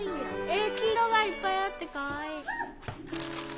黄色がいっぱいあってかわいい。